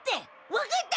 分かった！